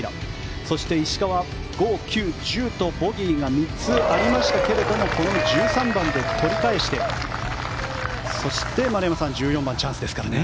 そして石川５、９、１０とボギーが３つありましたがこの１３番で取り返してそして丸山さん、１４番チャンスですからね。